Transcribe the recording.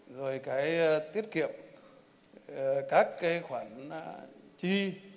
rồi cái tiết kiệm các khoản chi